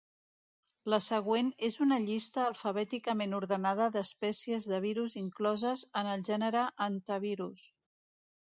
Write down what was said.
La següent és una llista alfabèticament ordenada d’espècies de virus incloses en el gènere Hantavirus.